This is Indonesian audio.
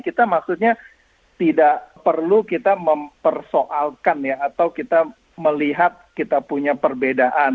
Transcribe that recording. kita maksudnya tidak perlu kita mempersoalkan ya atau kita melihat kita punya perbedaan